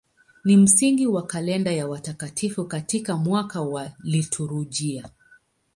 Ni msingi wa kalenda ya watakatifu katika mwaka wa liturujia.